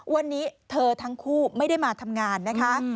วันนี้เธอทั้งคู่ไม่ได้มาทำงานนะคะ